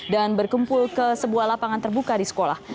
dan berkumpul ke sebuah lapangan terbuka di sekolah